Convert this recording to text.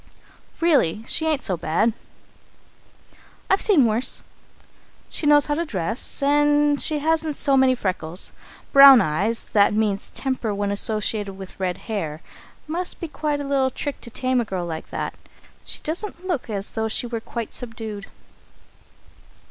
"Really, she isn't so bad I've seen worse. She knows how to dress, and she hasn't so many freckles. Brown eyes that means temper when associated with red hair. Must be quite a little trick to tame a girl like that. She doesn't look as though she were quite subdued.